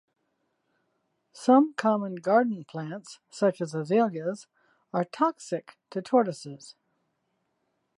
Some common garden plants, such as azaleas, are toxic to tortoises.